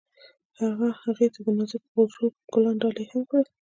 هغه هغې ته د نازک غروب ګلان ډالۍ هم کړل.